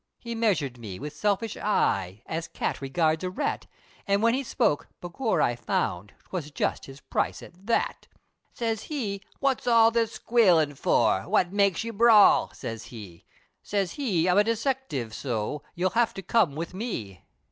He measured me, wid selfish eye, As cat regards a rat, An' whin he spoke, begor I found, 'Twas just his price at that! Siz he "What's all this squealin' for? What makes ye bawl?" siz he, Siz he, "I'm a dissective, so, You'll have to come wid me!"